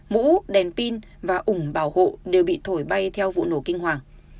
mũ đèn pin và ủng bảo hộ đều bị thổi bay theo vụ nổ kinh hoàng